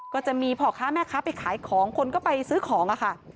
ก็จะมีพ่อค้าแม่ค้าไปขายของคนก็ไปซื้อของค่ะ